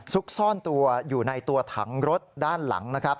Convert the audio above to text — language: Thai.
ซุกซ่อนตัวอยู่ในตัวถังรถด้านหลังนะครับ